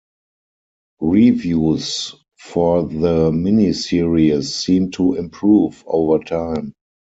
Reviews for the miniseries seem to improve over time.